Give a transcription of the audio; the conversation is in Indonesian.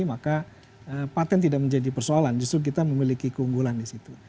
maka patent tidak menjadi persoalan justru kita memiliki keunggulan di situ